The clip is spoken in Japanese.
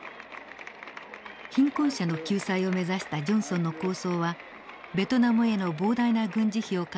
貧困者の救済を目指したジョンソンの構想はベトナムへの膨大な軍事費を抱えて頓挫。